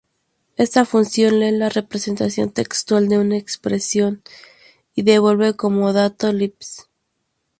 Esta función lee la representación textual de una expresión-S y devuelve como dato Lisp.